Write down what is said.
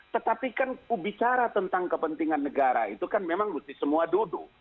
tetapi kan bicara tentang kepentingan negara itu kan memang mesti semua duduk